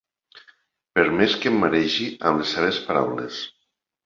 Per més que em maregi amb les seves paraules.